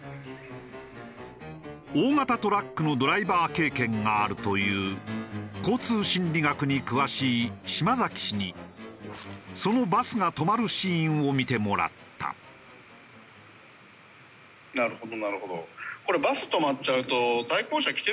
大型トラックのドライバー経験があるという交通心理学に詳しい島崎氏にそのバスが止まるシーンを見てもらった。と思ったんですけど。